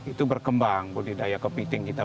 itu berkembang budidaya kepiting kita